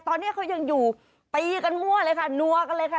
ตอนนี้เขายังอยู่ตีกันมั่วเลยค่ะนัวกันเลยค่ะ